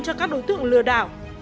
cho các đối tượng lửa đảo